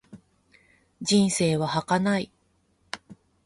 人生は儚い。